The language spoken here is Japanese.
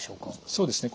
そうですね。